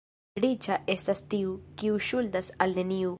Riĉa estas tiu, kiu ŝuldas al neniu.